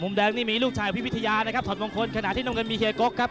แดงนี่มีลูกชายพี่วิทยานะครับถอดมงคลขณะที่น้ำเงินมีเฮีก๊กครับ